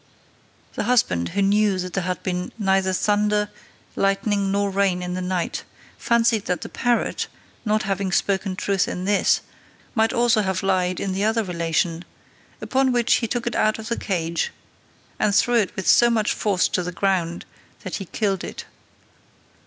The husband, who knew that there had been neither thunder, lightning, nor rain in the night, fancied that the parrot, not having spoken truth in this, might also have lied in the other relation; upon which he took it out of the cage, and threw it with so much force to the ground that he killed it.